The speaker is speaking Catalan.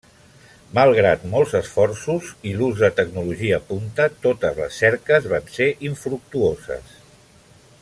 Malgrat molts esforços i l'ús de tecnologia punta, totes les cerques van ser infructuoses.